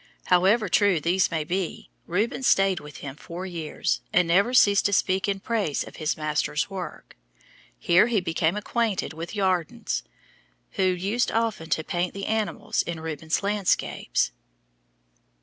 However true these may be, Rubens stayed with him four years and never ceased to speak in praise of his master's work. Here he became acquainted with Jordaens, who used often to paint the animals in Rubens' landscapes.